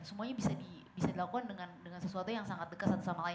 semuanya bisa dilakukan dengan sesuatu yang sangat dekat satu sama lain